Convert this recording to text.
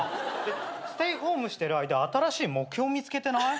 ステイホームしてる間新しい目標見つけてない？